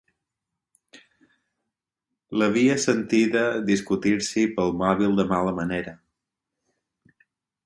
L'havia sentida discutir-s'hi pel mòbil de mala manera.